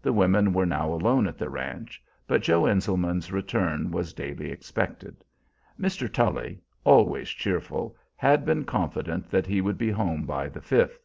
The women were now alone at the ranch, but Joe Enselman's return was daily expected. Mr. Tully, always cheerful, had been confident that he would be home by the 5th.